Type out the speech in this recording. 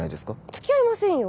付き合いませんよ！